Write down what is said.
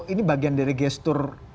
ini bagian dari gestur